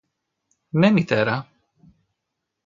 Ναι, Μητέρα!